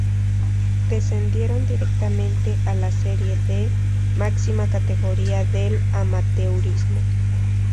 Descendieron directamente a la Serie D, máxima categoría del amateurismo.